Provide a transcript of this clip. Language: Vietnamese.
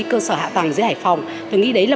cơ sở hạ tầng giữa hải phòng tôi nghĩ đấy là